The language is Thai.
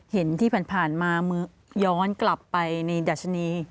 เห็นที่ผ่านมามือย้อนกลับไปในดัชนี